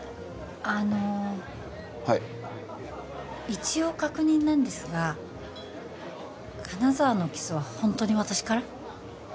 あのはい一応確認なんですが金沢のキスはホントに私から？